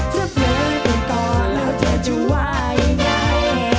เธอเพลิงเป็นกรแล้วเธอจะว่ายังไง